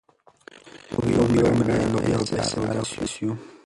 موږ یو مېړنی او بې ساري ولس یو.